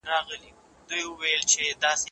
سینه سپينه کړه؟